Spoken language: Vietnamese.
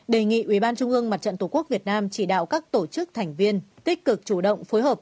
một mươi hai đề nghị ubnd mặt trận tổ quốc việt nam chỉ đạo các tổ chức thành viên tích cực chủ động phối hợp